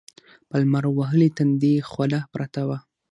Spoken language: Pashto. په لمر وهلي تندي يې خوله پرته وه.